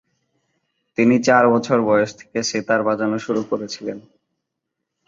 তিনি চার বছর বয়স থেকে সেতার বাজানো শুরু করেছিলেন।